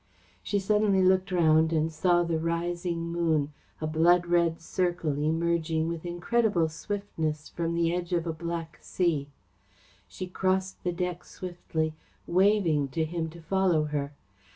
She suddenly looked around and saw the rising moon, a blood red circle emerging with incredible swiftness from the edge of a black sea. She crossed the deck swiftly, waving to him to follow her.